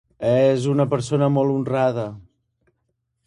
És una persona molt honrada.